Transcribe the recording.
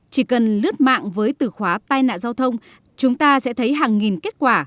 chỉ cần lướt mạng với từ khóa tai nạn giao thông chúng ta sẽ thấy hàng nghìn kết quả